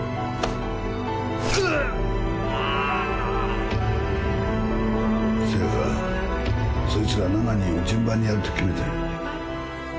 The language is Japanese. うぅあぁせやからそいつら７人を順番にやるって決めたんや。